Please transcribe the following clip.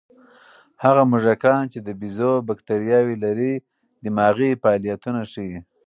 هغه موږکان چې د بیزو بکتریاوې لري، دماغي فعالیتونه ښيي.